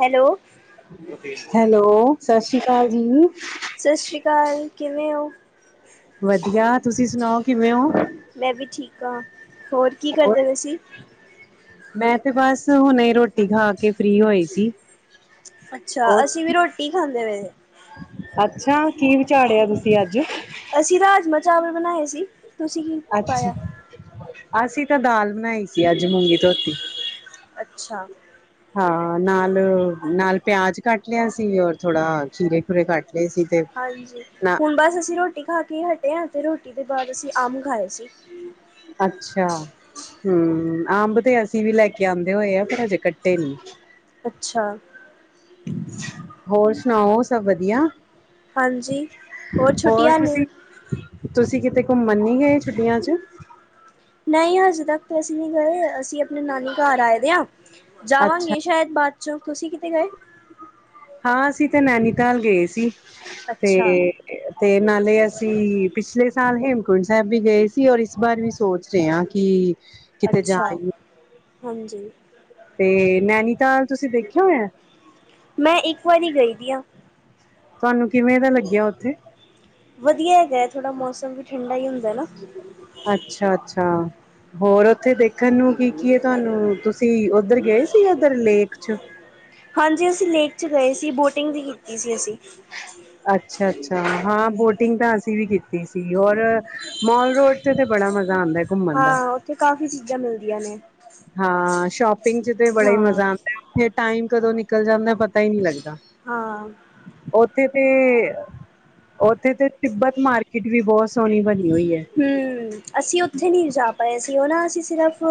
Hello hello Sat Sri ਅਕਾਲ ਜੀ। ਸਸ਼੍ਰੀ ਕਾਲ ਕਿਵੇਂ ਓ ਵਧੀਆ ਤੁਸੀਂ ਸੁਣਾਓ ਕਿਵੇਂ ਓ ਮੈਂ ਵੀ ਠੀਕ ਆਂ ਹੋਰ ਕੀ ਕਰਦੇ ਵੇ ਸੀ ਮੈਂ ਤੇ ਬਸ ਹੁਣੇ ਹੀ ਰੋਟੀ ਖਾ ਕੇ ਫ੍ਰੀ ਹੋਏ ਸੀ ਅੱਛਾ ਹੋਰ ਅਸੀਂ ਵੀ ਰੋਟੀ ਖਾਂਦੇ ਪਏ ਸੀ। ਅੱਛਾ ਕੀ ਵਿਚਾੜਿਆ ਤੁਸੀਂ ਅੱਜ ਅਸੀਂ ਰਾਜਮਾ ਚਾਵਲ ਬਣਾਏ ਸੀ ਤੁਸੀਂ ਕੀ ਅੱਛ ਪਾਇਆ ਅਸੀਂ ਤਾਂ ਦਾਲ ਬਣਾਈ ਸੀ ਅੱਜ ਮੂੰਗੀ ਧੋਤੀ ਅੱਛਾ ਹਾਂ ਨਾਲ ਨਾਲ ਪਿਆਜ ਕੱਟ ਲਿਆ ਸੀ ਔਰ ਥੋੜਾ ਖੀਰੇ ਖੂਰੇ ਕੱਟ ਲਏ ਸੀ ਤੇ ਹਾਂਜੀ ਨਾ ਹੁਣ ਬਸ ਅਸੀਂ ਰੋਟੀ ਖਾ ਕੇ ਈ ਹਟੇ ਆਂ ਤੇ ਰੋਟੀ ਦੇ ਬਾਅਦ ਅਸੀਂ ਅੰਬ ਖਾਏ ਸੀ ਅੱਛਾ ਹਮ ਅੰਬ ਤੇ ਅਸੀਂ ਵੀ ਲੈ ਕੇ ਆਂਦੇ ਹੋਏ ਆ ਪਰ ਹਜੇ ਕੱਟੇ ਨੀ ਅੱਛਾ ਹੋਰ ਸੁਣਾਓ ਸਭ ਵਧੀਆ ਹਾਂਜੀ ਹੋਰ ਛੁੱਟੀਆਂ ਨੇ ਤੁਸੀਂ ਤੁਸੀਂ ਕਿਤੇ ਘੁੰਮਨ ਨੀ ਗਏ ਛੁੱਟੀਆਂ ਚ ਨਹੀਂ ਹਜੇ ਤੱਕ ਤੇ ਅਸੀਂ ਨਹੀਂ ਗਏ ਅਸੀਂ ਆਪਣੇ ਨਾਨੀ ਘਰ ਆਏ ਵੇ ਆਂ ਅੱਛਾ ਜਾਵਾਂਗੇ ਸ਼ਾਇਦ ਬਾਅਦ ਚ ਤੁਸੀਂ ਕਿਤੇ ਗਏ ਹਾਂ ਅਸੀਂ ਤੇ ਨੈਨੀਤਾਲ ਗਏ ਸੀ ਤੇ ਅੱਛਾ ਤੇ ਨਾਲੇ ਅਸੀਂ ਪਿਛਲੇ ਸਾਲ ਹੇਮਕੁੰਟ ਸਾਹਿਬ ਵੀ ਗਏ ਸੀ ਔਰ ਇਸ ਬਾਰ ਵੀ ਸੋਚ ਰੇ ਆਂ ਕੀ ਅੱਛਾ ਹਾਂਜੀ ਤੇ ਨੈਨੀਤਾਲ ਤੁਸੀਂ ਦੇਖਿਆ ਹੋਇਆ ਮੈਂ ਇੱਕ ਵਾਰੀ ਗਈ ਵੀ ਆਂ ਤੁਹਾਨੂੰ ਕਿਵੇਂ ਦਾ ਲੱਗਿਆ ਉੱਥੇ ਵਧੀਆ ਹੈਗਾ ਥੋੜ੍ਹਾ ਮੌਸਮ ਵੀ ਠੰਡਾ ਹੀ ਹੁੰਦਾ ਐ ਨਾ ਅੱਛਾ ਅੱਛਾ ਹੋਰ ਉੱਥੇ ਦੇ ਖਨ ਨੂੰ ਕੀ ਕੀ ਐ ਤੁਹਾਨੂੰ ਤੁਸੀਂ ਉੱਧਰ ਗਏ ਸੀ ਉਧਰ ਲੇਕ ਚ ਹਾਂਜੀ ਅਸੀਂ ਲੇਕ ਚ ਗਏ ਸੀ ਬੋਟਿੰਗ ਵੀ ਕੀਤੀ ਸੀ ਅਸੀਂ ਅੱਛਾ ਅੱਛਾ ਹਾਂ ਬੋਟਿੰਗ ਤਾਂ ਅਸੀਂ ਵੀ ਕੀਤੀ ਸੀ ਔਰ ਮੋਲ ਰੋਡ ਤੇ ਤੇ ਬੜਾ ਮਜ਼ਾ ਆਂਦਾ ਐ ਹਾਂ ਉੱਥੇ ਕਾਫ਼ੀ ਚੀਜ਼ਾਂ ਮਿਲਦੀਆਂ ਨੇ ਹਾਂ ਸ਼ੋਪਿੰਗ ਚ ਤੇ ਬੜਾ ਈ ਹਾਂ ਮਜ਼ਾ ਆਂਦਾ ਉਥੇ ਟਾਈਮ ਕਦੋਂ ਨਿਕਲ ਜਾਂਦਾ ਪ ਤਾ ਈ ਨਹੀਂ ਲੱਗਦਾ ਹਾਂ ਹਮ ਉੱਥੇ ਤੇ ਉੱਥੇ ਤੇ ਤਿੱਬਤ ਮਾਰਕੀਟ ਵੀ ਬਹੁਤ ਸੋਹਣੀ ਬਣੀ ਹੋਈ ਐ ਹਮ ਅਸੀਂ ਉੱਥੇ ਨਹੀਂ ਜਾ ਪਾਏ ਸੀ ਉਹ ਨਾ ਅਸੀਂ ਸਿਰਫ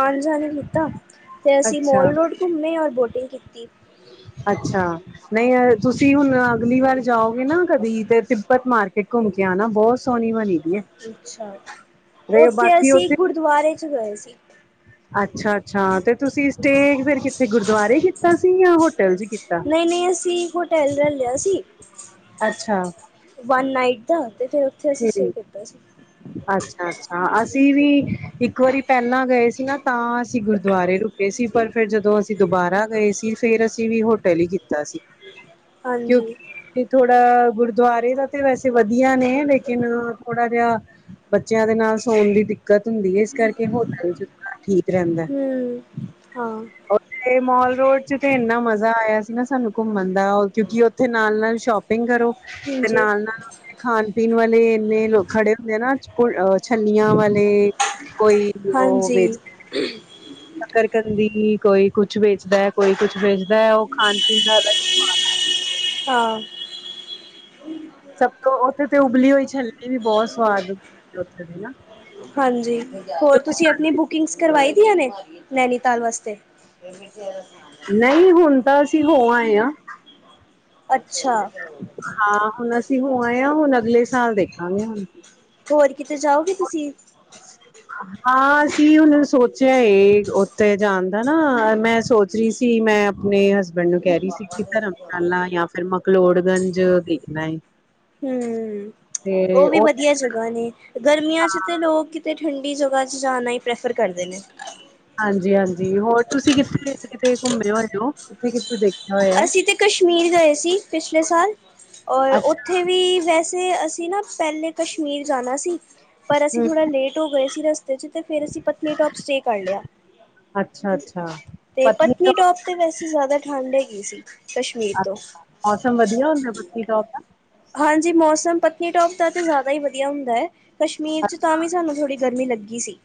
ਆਣ ਜਾਣ ਕੀਤਾ ਫੇ ਅਸੀਂ ਅੱਛਾ ਮੋਲ ਰੋਡ ਘੁੰਮੇ ਔਰ ਬੋਟਿੰਗ ਕੀਤੀ ਅੱਛਾ ਨਹੀਂ ਅ ਤੁਸੀਂ ਹੁਣ ਅਗਲੀ ਵਾਰ ਜਾਓਗੇ ਨਾ ਕਦੀ ਤੇ ਤਿੱਬਤ ਮਾਰਕੀਟ ਘੁੰਮ ਕੇ ਆਣਾ ਬਹੁਤ ਸੋਹਣੀ ਬਣੀ ਵੀ ਐ ਅੱਛਾ ਉੱਥੇ ਅਸੀਂ ਗੁਰਦੁਆਰੇ ਚ ਗਏ ਸੀ ਅੱਛਾ ਅੱਛਾ ਤੇ ਤੁਸੀਂ ਸਟੇਅ ਫਿਰ ਕਿੱਥੇ ਗੁਰਦੁਆਰੇ ਕੀਤਾ ਸੀ ਯਾਂ ਹੋਟਲ ਚ ਕੀਤਾ ਨਹੀਂ ਨਹੀਂ ਅਸੀਂ ਹੋਟੈਲ ਲ ਲਿਆ ਸੀ ਅੱਛਾ ਵਨ ਨਾਈਟ ਦਾ ਤੇ ਫਿਰ ਉੱਥੇ ਅਸੀਂ ਸਟੇਅ ਕੀਤਾ ਸੀ ਅੱਛਾ ਅੱਛਾ ਅਸੀਂ ਵੀ ਇੱਕ ਵਾਰੀ ਪਹਿਲਾਂ ਗਏ ਸੀ ਨਾ ਤਾਂ ਅਸੀਂ ਗੁਰਦਵਾਰੇ ਰੁਕੇ ਸੀ। ਪਰ ਫੇਰ ਜਦੋਂ ਅਸੀਂ ਦੁਬਾਰਾ ਗਏ ਸੀ ਫੇਰ ਅਸੀਂ ਵੀ ਹੋਟਲ ਈ ਕੀਤਾ ਸੀ। ਹਾਂਜੀ ਕਿਉਂਕਿ ਥੋੜਾ ਗੁਰਦਵਾਰੇ ਦਾ ਤੇ ਵੈਸੇ ਵਧੀਆ ਨੇ ਲੇਕਿਨ ਥੋੜਾ ਜਿਆ ਬੱਚਿਆਂ ਦੇ ਨਾਲ ਸੋਣ ਦੀ ਦਿੱਕਤ ਦਿੱਕਤ ਹੁੰਦੀ ਏ ਏਸ ਕਰਕੇ ਹੋਟਲ 'ਚ ਠੀਕ ਰੈਂਦਾ। ਹਮ ਹਾਂ ਤੇ ਮਾਲ ਰੋਡ 'ਚ ਤੇ ਏਨਾ ਮਜ਼ਾ ਆਇਆ ਸੀ ਨਾ ਸਾਨੂੰ ਘੁੰਮਣ ਦਾ, ਕਿਉਂਕਿ ਓਥੇ ਨਾਲ ਨਾਲ ਸ਼ੋਪਿੰਗ ਕਰੋ। ਤੇ ਹਾਂਜੀ, ਨਾਲ ਨਾਲ ਓਥੇ ਖਾਣ ਪੀਣ ਵਲੇ ਏਨੇ ਲੋਕ ਖੜੇ ਹੁੰਦੇ ਨਾ ਛੱਲੀਆਂ ਵਲੇ, ਕੋਈ ਓ ਵੇਚ ਹਮ ਸ਼ਕਰ ਕੰਦੀ, ਕੋਈ ਕੁਛ ਵੇਚਦਾ ਐ, ਕੋਈ ਕੁਛ ਵੇਚਦਾ ਐ। ਓ ਖਾਣ ਪੀਣ ਦਾ ਹਾਂ ਸਭ ਤੋਂ ਓਥੇ ਤੇ ਉਬਲੀ ਹੋਈ ਛੱਲਣੀ ਵੀ ਬੋਤ ਸਵਾਦ ਹੁੰਦੀ ਓਥੇ ਦੀ ਨਾ। ਹਾਂਜੀ ਹੋਰ ਤੁਸੀਂ ਆਪਣੀ ਬੁਕਿੰਗਸ ਕਰਵਾਈ ਦੀਆਂ ਨੇ ਨੈਨੀਤਾਲ ਵਸਤੇ। ਏ ਵੀ ਤੇਰਾ ਸੀ। ਨਈ ਹੁਣ ਤਾਂ ਅਸੀਂ ਹੋ ਆਏ ਆਂ। ਅੱਛਾ। ਹਾਂ ਹੁਣ ਅਸੀਂ ਹੋ ਆਏ ਆਂ, ਹੁਣ ਅਗਲੇ ਸਾਲ ਦੇਖਾਂਗੇ ਹੁਣ। ਹੋਰ ਕਿਤੇ ਜਾਓਗੇ ਤੁਸੀਂ। ਅ ਹਾਂ ਅਸੀਂ ਹੁਣ ਸੋਚਿਆ ਓਥੇ ਜਾਣ ਦਾ ਨਾ ਮੈਂ ਸੋਚ ਰੀ ਸੀ ਮੈਂ ਆਪਣੇ ਹਸ ਹਸਬੈਂਂਡ ਨੂੰ ਕੈ ਰੀ ਸੀ ਕੀ ਧਰਮਸ਼ਾਲਾ ਜਾਂ ਫਿਰ ਮਕਲੋੜਗੰਜ ਦੇਖਣਾ ਏ। ਹੂੰ ਓ ਤੇ ਵੀ ਉਹ ਵਧੀਆ ਜਗ੍ਹਾ ਨੇ ਗਰਮੀਆਂ 'ਚ ਤੇ ਲੋਕ ਕਿਤੇ ਠੰਡੀ ਜਗ੍ਹਾ 'ਚ ਜਾਣਾ ਈ ਪ੍ਰੈਫਰ ਕਰਦੇ ਨੇ। ਹਾਂਜੀ ਹਾਂਜੀ ਹੋਰ ਤੁਸੀਂ ਕਿੱਥੇ ਕਿਥੇ ਘੁੰਮੇ ਹੋਏ ਓ? ਕਿੱਥੇ ਕਿੱਥੇ ਦੇਖ ਅਸੀਂ ਤੇ ਕਸ਼ਮੀਰ ਗਏ ਸੀ ਪਿਛਲੇ ਸਾਲ, ਔਰ ਅੱਛਾ ਓਥੇ ਵੀ ਵੈਸੇ ਤੇ ਅਸੀਂ ਨਾ ਪੈਲੇ ਕਸ਼ਮੀਰ ਜਾਣਾ ਸੀ। ਪਰ ਅਸੀਂ ਹੂੰ ਥੋੜਾ ਲੇਟ ਹੋ ਗਏ ਸੀ ਰਸਤੇ 'ਚ, ਤੇ ਫੇਰ ਅਸੀਂ ਪਤਨੀਟੋਪ ਸਟੇਅ ਕਰ ਲਿਆ। ਅੱਛਾ ਅੱਛਾ ਪਤਨੀਟੋਪ ਤੇ ਵੈਸੇ ਜ਼ਾਦਾ ਠੰਡ ਹੈਗੀ ਸੀ। ਕਸ਼ਮੀਰ ਤੋਂ। ਅੱਛਾ- ਮੌਸਮ ਵਧੀਆ ਹੁੰਦਾ ਪਤਨੀਟੋਪ ਦਾ। ਹਾਂਜੀ ਮੌਸਮ ਪਤਨੀਟੋਪ ਦਾ ਤੇ ਜ਼ਾਦਾ ਈ ਵਧੀਆ ਹੁੰਦਾ ਐ। ਕਸ਼ਮੀਰ 'ਚ ਤਾਂ ਅੱਛਾ ਵੀ ਸਾਨੂੰ ਥੋੜ੍ਹੀ ਗਰਮੀ ਲੱਗੀ ਸੀ।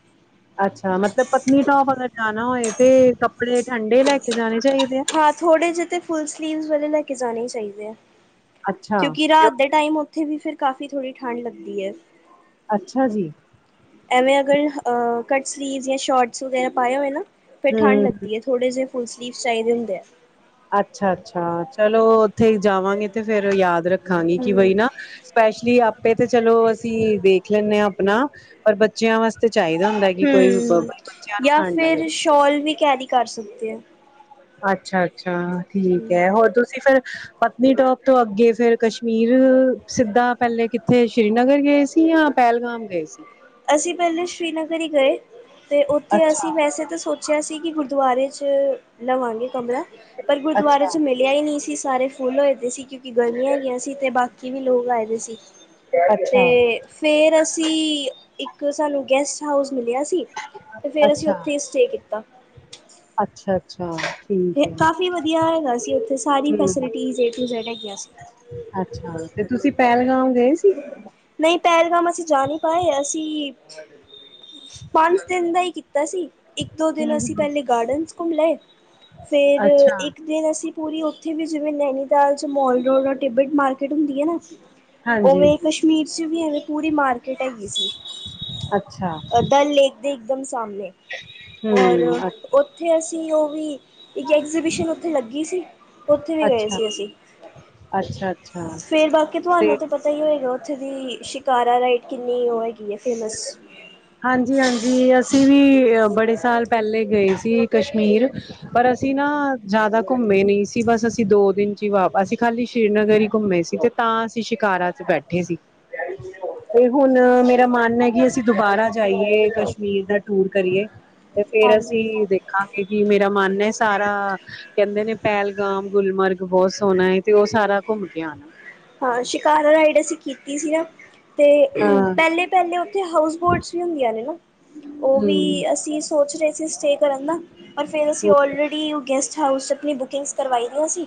ਅੱਛਾ ਮਤਲਬ ਪਤਨੀਟੋਪ ਅਗਰ ਜਾਣਾ ਹੋਏ ਤੇ ਕੱਪੜੇ ਠੰਡੇ ਲੈ ਕੇ ਜਾਣੇ ਚਾਈਦੇ ਆ? ਹਾਂ ਥੋੜੇ ਜੇ ਤੇ ਫੁਲ ਸਲੀਵਸ ਵਾਲੇ ਲੈ ਕੇ ਜਾਣੇ ਈ ਚਾਈਦੇ ਆ, ਅੱਛਾ ਕਿਉਂਕਿ ਰਾਤ ਦੇ ਟਾਈਮ ਓਥੇ ਵੀ ਫੇਰ ਕਾਫੀ ਥੋੜ੍ਹੀ ਠੰਡ ਲੱਗਦੀ ਐ। ਅੱਛਾ ਜੀ। ਐਵੇਂ ਅਗਰ ਕਟ ਸਲੀਵ ਜਾਂ ਸ਼ੋਟਸ ਵਗੈਰਾ ਪਾਏ ਹੋਏ ਨਾ। ਫੇਰ ਠੰਢ ਹੂੰ ਲੱਗਦੀ ਐ, ਥੋੜੇ ਜੇ ਫੁੱਲ ਸਲੀਵ ਚਾਈਦੇ ਹੁੰਦੇ ਆ। ਅੱਛਾ-ਅੱਛਾ ਚਲੋ ਓਥੇ ਈ ਜਾਵਾਂਗੇ, ਤੇ ਫੇਰ ਯਾਦ ਰੱਖਾਂਗੇ ਕੀ ਹੂੰ ਬਈ ਨਾ ਸਪੈਸ਼ਲੀ ਆਪੇ ਤੇ ਚਲੋ ਅਸੀਂ ਦੇਖ ਲੈਂਣੇ ਆਂ ਆਪਣਾ, ਔਰ ਬੱਚਿਆਂ ਵਾਸ ਤੇ ਚਾਈਦਾ। ਹੂੰ, ਜਾਂ ਫਿਰ ਲੱਗੇ ਸ਼ੋਲ ਵੀ ਕੈਰੀ ਕਰ ਸਕਦੇ ਓ। ਅੱਛਾ-ਅੱਛਾ ਠੀਕ ਹੂੰ। ਐ, ਹੋਰ ਤੁਸੀਂ ਫੇਰ ਪਤਨੀਟੋਪ ਤੋਂ ਅੱਗੇ ਫੇਰ ਕਸ਼ਮੀਰ ਸਿੱਧਾ ਪੈਲੇ ਕਿੱਥੇ ਸ਼੍ਰੀਨਗਰ ਗਏ ਸੀ, ਜਾਂ ਪੈਹਲਗਾਮ ਗਏ ਸੀ। ਅਸੀਂ ਪੇਹਲੇ ਸ਼੍ਰੀਨਗਰ ਹੀ ਗਏ, ਤੇ ਉੱਥੇ ਅਸੀਂ ਵੈਸੇ ਤਾਂ ਸੋਚ ਸੋਚੇਆ ਸੀ, ਕਿ ਗੁਰਦੁਆਰੇ ਚ ਲਵਾਂਗੇ ਕਮਰਾ, ਪਰ ਗੁਰਦੁਆਰੇ ਚ ਮੇ ਲੇਆ ਈ ਨੀ ਸੀ, ਸਾਰੇ ਫੁੱਲ ਹੋਏ ਦੇ ਸੀ, ਕਿਉਂਕਿ ਗਰਮੀਆਂ ਹੈਗੀਆਂ ਸੀ ਤੇ ਬਾਕੀ ਵੀ ਲੋਕ ਆਏ ਦੇ ਸੀ। ਤੇ ਅੱਛਾ-ਅੱਛਾ-ਅੱਛਾ-ਅੱਛਾ ਫੇਰ ਅਸੀਂ ਕਿ ਸਾਨੂੰ ਗੈਸਟ ਹਾਊਸ ਮਿਲੇਆ ਸੀ, ਤੇ ਫੇਰ ਅਸੀਂ ਉੱਥੇ ਈ ਸਟੇਅ ਕੀਤਾ। ਅੱਛਾ, ਅੱਛਾ। ਨਈ ਕਾਫੀ ਵਧੀਆ ਹੈਗਾ ਸੀ, ਉੱਥੇ ਸਾਰੀ ਹਮ ਫੈਸਲਟੀਸ ਏ ਟੂ ਜੇਡ ਹੈਗੀਆਂ ਸੀ। ਅੱਛਾ, ਤੇ ਤੁਸੀਂ ਪੈਲਗਾਮ ਗਏ ਸੀ? ਨਈ ਪੈਲਗਾਮ ਅਸੀਂ ਜਾ ਨਈ ਪਾਏ, ਅਸੀਂ ਪੰਜ ਦਿਨ ਦਾ ਈ ਕੀਤਾ ਸੀ। ਇੱਕ ਦੋ ਦਿਨ ਹਮ ਅਸੀਂ ਪਹਿਲੇ ਗਾਰਡਨਸ ਘੁੰਮ ਲਏ, ਫੇਰ ਅੱਛਾ, ਇੱਕ ਦਿਨ ਅਸੀਂ ਪੂਰੀ ਉੱਥੇ ਵੀ ਜਿਵੇਂ ਨੈਨੀਤਾਲ ਚ ਮੋਲ ਰੋਡ ਟਿੱਬਟ ਮਾਰਕੀਟ ਹੁੰਦੀ ਏ ਨਾ ਹਾਂਜੀ, ਉਵੇਂ ਕਸ਼ਮੀਰ ਚ ਵੀ ਐਵੇਂ ਪੂਰੀ ਮਾਰਕੀਟ ਹੈਗੀ ਸੀ, ਅੱਛਾ, ਦਲ ਲੇਕ ਦੇ ਏਕਦਮ ਸਾਮਨੇ ਔਰ ਹੂੰ, ਅੱ ਉੱਥੇ ਅਸੀਂ ਓ ਵੀ ਇੱਕ ਐਗਜੀਬਿਸ਼ਨ ਉੱਥੇ ਲੱਗੀ ਸੀਂ। ਉੱਥੇ ਵੀ ਗਏ ਅੱਛਾ, ਸੀ, ਅਸੀਂ ਅੱਛਾ, ਅੱਛਾ ਫੇਰ ਬਾਕੀ ਤੁਹਾਨੂੰ ਤੇ ਪਤਾ ਹੀ ਹੋਏਗਾ, ਉੱਥੇ ਦੀ ਸ਼ਿਕਾਰਾ ਰਾਈਡ ਕਿੰਨੀ ਓ ਹੈਗੀ ਏ ਫੇਮਸ ਹਾਂਜੀ-ਹਾਂਜੀ, ਅਸੀਂ ਵੀ ਬੜੇ ਸਾਲ ਪਹਿਲੇ ਗਏ ਸੀ ਕਸ਼ਮੀਰ ਪਰ ਅਸੀਂ ਨਾ ਜੇਆਦਾ ਘੁੰਮੇ ਨੀ ਸੀ। ਬਸ ਅਸੀਂ ਦੋ ਦਿਨ ਚ ਵਾ, ਅਸੀਂ ਖਾਲੀ ਸ੍ਰੀਨਗਰ ਹੀ ਘੁੰਮੇ ਸੀ ਤੇ ਤਾਂ ਅਸੀਂ ਸ਼ਿਕਾਰਾ ਚ ਬੈਠੇ ਸੀ, ਤੇ ਹੁਨ ਮੇਰਾ ਮਨ ਏ ਕਿ ਅਸੀਂ ਦੁਬਾਰਾ ਜਾਈਏ, ਕਸ਼ਮੀਰ ਦਾ ਟੂਰ ਕਰੀਏ ਤੇ ਫੇਰ ਹਾਂਜੀ ਅਸੀਂ ਦੇਖ ਖਾ ਕੇ ਕੀ ਮੇਰਾ ਮਨ ਏ, ਸਾਰਾ ਕਹਿੰਦੇ ਨੇ ਪੈਲਗਾਮ-ਗੁਲਮਰਗ ਬਹੁਤ ਸੋਹਨਾ ਏ, ਤੇ ਓ ਸਾਰਾ ਘੁੰਮ ਕੇ ਆਨਾ। ਹਾਂ, ਸ਼ਿਕਾਰਾ ਰਾਈਡ ਅਸੀਂ ਕੀਤੀ ਸੀ ਨਾ। ਤੇ ਹਾਂ ਪੈਲੇ-ਪੈਲੇ ਉੱਥੇ ਹਾਊਸ ਬੋਟਸ ਵੀ ਹੁੰਦੀਆਂ ਨੇ ਨਾ, ਓ ਹੂੰ ਵੀ ਅਸੀਂ ਸੋਚ ਰੇਅ ਸੀ, ਸਟੇਅ ਕਰਨ ਦਾ ਪਰ ਫਿਰ ਅਸੀਂ ਹੂੰ ਔਲਰੇਡੀ ਗੈਸਟ ਹਾਊਸ 'ਚ ਆਪਨੀ ਬੁਕਿੰਗਸ ਕਰਵਾਈ ਦੀਆ ਸੀਂ।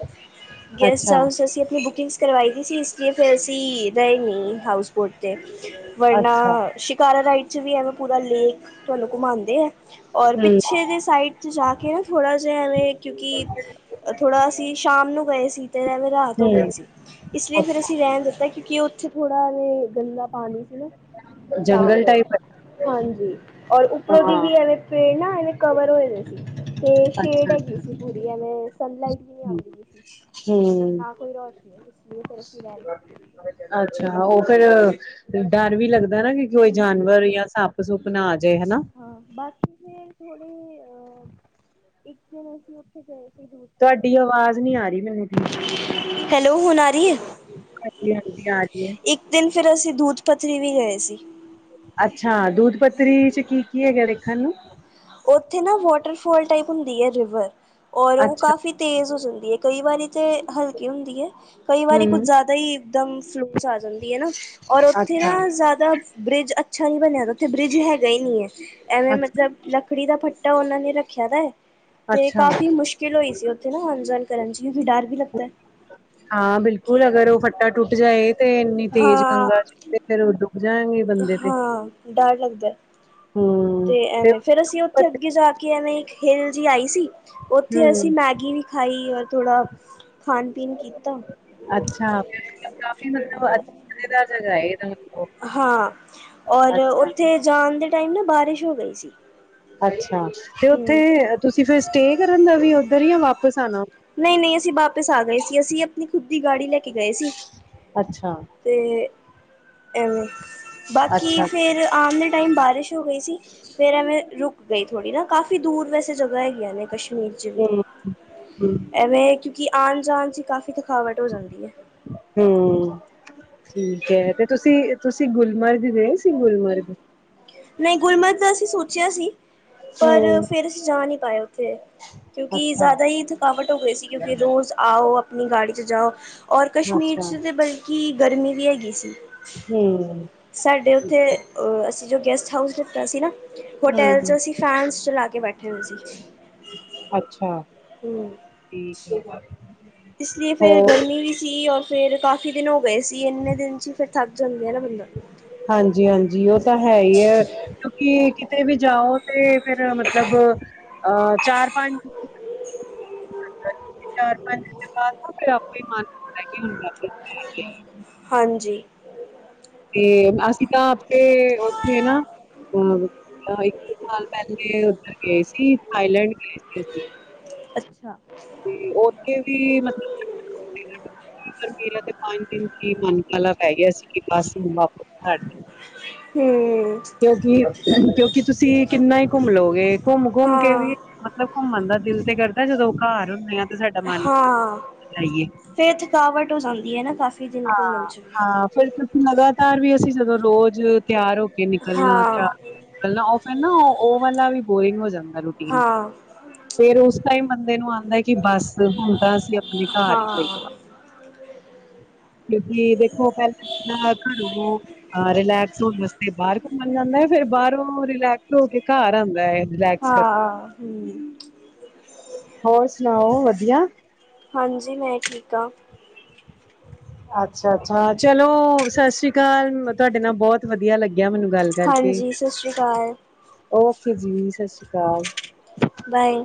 ਗੈਸਟ ਅੱਛਾ ਹਾਊਸ ਅਸੀਂ ਆਪਨੀ ਬੁਕਿੰਗਸ ਕਰਵਾਈ ਦੀ ਸੀ, ਇਸ ਲਈ ਫੇਰ ਅਸੀਂ ਰੇਅ ਨਈ ਹਾਊਸ ਬੂਟ ਤੇ ਵਰਨਾ ਅੱਛਾ ਸ਼ਿਕਾਰਾ ਰਾਈਡ 'ਚ ਵੀ ਐਵੇਂ ਪੂਰਾ ਲੇਕ ਤੁਹਾਨੂੰ ਘੁੰਮਾਂਦੇ ਏ, ਔਰ ਹੂੰ ਪਿੱਛੇ ਜੇ ਸਾਈਡ ਜਾ ਕੇ ਨਾ ਥੋੜ੍ਹਾ ਜੇਆ ਐਵੇਂ, ਕਿਉਂਕਿ ਥੋੜਾ ਅਸੀਂ ਸ਼ਾਮ ਨੂੰ ਗਏ ਸੀ, ਤੇ ਐਵੇਂ ਰਾਤ ਹੋ ਗਈ ਹੂੰ ਸੀ, ਇਸ ਲਈ ਫੇਰ ਅੱਛਾ ਅਸੀਂ ਰਹਿਨ ਦਿੱਤਾ, ਕਿਉਂਕਿ ਉੱਥੇ ਥੋੜਾ ਓ ਗੰਦਾ ਪਾਨੀ ਸੀ ਨਾ, ਤਾਂ ਜੰਗਲ ਫੇਰ ਟਾਈਪ ਹੈ ਹਾਂਜੀ। ਔਰ ਉੱਪਰੋਂ ਦੀ ਹਾਂ ਵੀ ਐਵੇਂ ਪੇੜ ਨਾ ਇਵੇ ਕਵਰ ਹੋਏ ਦੇ ਸੀ, ਤੇ ਸ਼ੇਡ ਅੱਛਾ ਹੈਗੀ ਅੱਛਾ ਸੀ ਪੂਰੀ ਐਵੇਂ-ਐਵੇ ਸਨਲਾਈਟ ਵੀ ਨੀ ਹੂੰ ਆਂਦੀ--ਆਂਦੀ। ਹੂੰ ਕੋਈ ਰੋਸ਼ਨੀ ਇਸ ਵੀ ਤਰਫ ਵੀ ਰੈਨ ਦਿਤੀ। ਅੱਛਾ, ਓ ਫੇਰ ਡਰ ਵੀ ਲੱਗਦਾ ਨਾ, ਕਿ ਕੋਈ ਜਾਨਵਰ ਜਾਂ ਸਪ ਸੁਪ ਨਾ ਆ ਜੇ ਹਨਾ। ਹਾਂ, ਬਾਕੀ ਫੇਰ ਥੋੜੇ ਅ ਏਕ ਦਿਨ ਅਸੀਂ ਉੱਥੇ ਗਏ ਸੀ ਦੂਰ- ਤੁਹਾਡੀ ਆਵਾਜ਼ ਨੀ ਆ ਰਹੀ ਮੈਨੂੰ ਧੀ ਹੈਲੋ, ਹੁਨ ਆ ਰਹੀ ਏ। ਹਾਂਜੀ ਹਾਂਜੀ ਆ ਰਹੀ ਹੈ ਇੱਕ ਦਿਨ ਫੇਰ ਅਸੀਂ ਦੂਥ ਪੱਥਰੀ ਵੀ ਗਏ ਸੀ। ਅੱਛਾ, ਦੁਥ ਪੱਤਰੀ ਚ ਕੀ- ਕੀ ਹੈਗਾ ਵੇਖਨ ਨੂੰ। ਉੱਥੇ ਨਾ ਵਾਟਰਫੋਲ ਟਾਈਪ ਹੁੰਦੀ ਏ, ਰਿਵਰ ਔਰ ਓ ਅੱਛਾ ਕਾਫੀ ਤੇਜ਼ ਹੋ ਜਾਂਦੀ ਏ ਕਈ ਵਾਰੀ, 'ਤੇ ਹਲਕੀ ਹੁੰਦੀ ਏ, ਕਈ ਵਾਰੀ ਕੁੱਝ ਹੂੰ ਜਾ ਸਹੀ ਇੱਕ ਦਮ ਫਲੋਅ 'ਚ ਆ ਜਾਂਦੀ ਏ ਨਾ, ਔਰ ਉੱਥੇ ਅੱਛਾ ਨਾ ਜਾਦਾ ਬ੍ਰਿੱਜ ਅੱਛਾ ਨੀ ਬਨਿਆ ਦਾ ਉੱਥੇ ਬ੍ਰਿੱਜ ਹੈਗਾ ਈ ਨੀ ਐ, ਐਵੇਂ ਅੱਛਾ ਮਤਲਬ। ਲੱਕੜੀ ਦਾ ਫੱਟਾ ਉਨਾਂ ਨੇ ਰੱਖਿਆ ਦੈ। 'ਤੇ ਅੱਛਾ ਕਾਫੀ ਮੁਸ਼ਕਿਲ ਹੋਈ ਸੀ ਉੱਥੇ ਨਾ, ਆਨ- ਜਾਨ ਕਰਨ 'ਚ ਫਿਰ ਡਰ ਵੀ ਲੱਗਦਾ। ਹਾਂ, ਬਿਲਕੁਲ, ਅਗਰ ਉਹ ਫੱਟਾ ਟੁੱਟ ਜਾਏ, 'ਤੇ ਇੰਨੀ ਤੇਜ਼ ਹਾਂ ਗੰਗਾ 'ਚ ਫਿਰ ਫੇਰ ਉਹ ਡੁਬ ਜਾਏਂਗੇ। ਹਾਂ, ਡਰ ਲੱਗਦੈ। 'ਤੇ ਐਵੇਂ ਫਿਰ ਅਸੀਂ ਉੱਥੇ ਅੱਗੇ ਜਾ ਕੇ, ਐਵੇਂ ਇੱਕ ਹਿਲ ਜੀ ਆਈ ਸੀ। ਓੱਥੇ ਅਸੀਂ ਹੂੰ ਮੈਗੀ ਵੀ ਖਾਈ, ਔਰ ਥੋੜਾ ਖਾਨ-ਪੀਨ ਕੀਤਾ। ਅੱਛਾ, ਕਾਫੀ ਮਤਲਬ, ਮਜ਼ੇਦਾਰ ਜਗ੍ਹਾ ਹੈ ਯੇ ਤੋ। ਹਾਂ, ਔਰ ਉੱਥੇ ਜਾਨ ਦੇ ਟਾਈਮ ਨਾ ਬਾਰਿਸ਼ ਹੋ ਗਈ ਸੀ। ਅੱਛਾ, 'ਤੇ ਹਮ ਓਥੇ ਤੁਸੀਂ ਫਿਰ ਸਟੇਅ ਕਰਨ ਦਾ ਵੀ ਓਧਰ ਈ, ਯਾ ਵਾਪਿਸ ਆਨਾ? ਨਈ- ਨਈ, ਅਸੀਂ ਵਾਪਿਸ ਆ ਗਏ ਸੀ। ਅਸੀਂ ਅਪਨੀ ਖੁਦ ਦੀ ਗਾੜੀ ਲੈ ਕੇ ਗਏ ਸੀ। ਅੱਛਾ। ਤੇ, ਐਵੇ, ਬਾਕੀ ਅੱਛਾ ਅੱਛਾ, ਫਿਰ ਆਨ ਦੇ ਟੈਮ ਬਾਰਿਸ਼ ਹੋ ਗਈ। ਸੀ, ਫੇਰ ਐਵੇਂ ਰੁਕ ਗਈ ਥੋੜੀ ਨਾ, ਕਾਫੀ ਦੂਰ ਵੈਸੇ ਜਗ੍ਹਾ ਹੈਗੀਆਂ ਨੇ ਕਸ਼ ਕਸ਼ਮੀਰ 'ਚ ਵੀ ਹੂੰ ਹੂੰ ਐਵੇਂ, ਕਿਉਂਕਿ ਆਨ- ਜਾਨ 'ਚ ਕਾਫੀ ਥਕਾਵਟ ਹੋ ਜਾਂਦੀ ਐ, ਹੂੰ, ਠੀਕ ਐ। 'ਤੇ ਤੁਸੀਂ- ਤੁਸੀਂ ਤੁਸੀ ਗੁਲਮਰਗ ਗਏ ਸੀ, ਗੁਲਮਰਗ? ਨਈ, ਗੁਲਮਰਗ ਦਾ ਅਸੀਂ ਸੋਚਿਆ ਸੀ, ਪਰ ਹੂੰ ਫਿਰ ਅਸੀਂ ਜਾ ਨੀ ਪਾਏ ਉੱਥੇ। ਕਿਉਂਕਿ ਅੱਛਾ ਜਾਦਾ ਈ ਥਕਾਵਟ ਹੋ ਗਈ ਸੀ, ਫਿਰ ਰੋਜ਼ ਆਓ, ਅਪਨੀ ਗਾੜੀ 'ਚ ਜਾਓ। ਔਰ ਕਸ਼ਮੀਰ ਅੱਛਾ 'ਚ ਤੇ ਬਲਕਿ, ਗਰਮੀ ਵੀ ਹੈਗੀ ਸੀ। ਹੂੰ। ਅ ਅਸੀਂ ਜੋ ਗੈਸਟ ਹਾਊਸ ਲਿਤਾ ਸੀ ਨਾ? ਹੋਟੈਲ ਹੂੰ 'ਚ ਅਸੀਂ ਫੈਨਸ ਚਲਾ ਕੇ ਬੈਠੇ ਹੋਏ ਸੀ। ਅੱਛਾ। ਹੂੰ। ਠੀਕ ਹੋ ਭਾਈ? ਇਸ ਲੀਏ ਫੇਰ ਗਰਮੀ ਵੀ ਸੀ, ਔ ਫੇਰ ਕਾਫੀ ਦਿਨ ਹੋ ਗਏ ਸੀ, ਇੰਨੇ ਦਿਨ 'ਚ ਫਿਰ ਥੱਕ ਜਾਂਦੈ ਨਾ ਬੰਦਾ। ਹਾਂਜੀ-ਹਾਂਜੀ, ਉਹ ਤਾਂ ਹੈ ਈ ਐ। ਕਿਉਂਕਿ ਕਿਤੇ ਵੀ ਜਾਓ, ਤੇ ਫੇਰ ਮਤਲਬ ਅਹ, ਚਾਰ-ਪੰਜ ਚਾਰ-ਪੰਜ ਦਿਨ ਬਾਦ ਫਿਰ ਆਪੇ ਮਨ ਹੁੰਦੈ ਕਿ, ਮਨ ਹੁੰਦੈ ਕਿ ਹਾਂਜੀ। 'ਤੇ ਅਸੀਂ ਤਾਂ ਆਪੇ, ਓੱਥੇ ਨਾ ਹਾਂ, ਤਾਂ ਇੱਕ ਸਾਲ ਪੈਲੇ ਉੱਧਰ ਗਏ ਸੀ, ਥਾਈਲੈਂਡ ਗਏ ਸੀ ਅਸੀ। ਅੱਛਾ। 'ਤੇ ਓੱਥੇ ਵੀ, ਮਤਲਬ ਪਰ ਮੇਰਾ ਤੇ ਪੰਜ ਦਿਨ ਹੀ ਮਨ ਕਾਹਲਾ ਪੈ ਗਿਆ ਸੀ ਕਿ ਬਸ ਹੁਨ, ਵਾਪਸ ਘਰ ਹੂੰ। ਕਿਉਂਕਿ, ਕਿਉਂਕਿ ਤੁਸੀਂ ਕਿੰਨਾ ਈ ਘੁੰਮ ਲੋਗੇ? ਘੁੰਮ- ਘੁੰਮ ਕੇ ਵੀ, ਹਾਂ ਮਤਲਬ ਘੁੰਮਨ ਦਾ ਦਿਲ ਤੇ ਕਰਦਾ ਜਦੋਂ ਘਰ ਹੁੰਨੇ ਆ, 'ਤੇ ਸਾਡਾ ਮਨ ਜਾਈਏ ਫੇਰ ਥਕਾਵਟ ਹੋ ਜਾਂਦੀ ਏ ਨਾ ਕਾਫੀ ਦਿਨ ਹਾਂ ਘੁੰਮਨ 'ਚ। ਹਾਂ ਫਿਰ ਲਗਾਤਾਰ ਵੀ ਅਸੀਂ ਜਦੋਂ ਰੋਜ਼ ਤਿਆਰ ਹੋ ਕੇ ਨਿਕਲਣਾ। ਹਾਂ, ਫ ਨਾਓਨ ਏ ਨਾ ਓਹ ਵਾਲਾ ਵੀ ਬੋਰਿੰਗ ਹੋ ਜਾਂਦਾ। ਰੂਟੀਨ ਹਾਂ। ਫੇਰ ਉਸ ਟਾਈਮ ਬੰਦੇ ਨੂੰ ਆਉਂਦਾ ਕਿ ਬਸ ਹੁਣ ਤਾਂ ਅਸੀਂ ਆਪਣੇ ਘਰ ਹੀ ਠੀਕ ਹਾਂ। ਕਿਉਂਕਿ ਦੇਖੋ ਪਹਿਲਾਂ ਘਰੋਂ ਰਿਲੈਕਸ ਹੋਣ ਫੇਰ ਬਾਹਰ ਘੁੰਮਣ ਜਾਂਦਾ ਹੈ ਫੇਰ ਬਾਹਰੋਂ ਰਿਲੈਕਟ ਹੋ ਕੇ ਘਰ ਆਉਂਦਾ ਹੈ ਰਿਲੈਕਸ ਕਰਕੇ। ਪ ਹੋਰ ਸੁਣਾਓ ਵਧੀਆ? ਹਾਂਜੀ ਮੈਂ ਠੀਕ ਹਾਂ। ਅੱਛਾ -ਅੱਛਾ ਚਲੋ ਸਤਿ ਸ੍ਰੀ ਅਕਾਲ! ਤੁਹਾਡੇ ਨਾਲ ਬਹੁਤ ਵਧੀਆ ਲੱਗੀ ਗਿਆ ਮੈਨੂੰ ਗੱਲ ਕਰਕੇ, ਹਾਂਜੀ, ਸਤਿ ਸ਼੍ਰੀ ਅਕਾਲ, ਓਕੇ ਜੀ, ਸਤਿ ਸ੍ਰੀ ਅਕਾਲ। ਬਾਏ।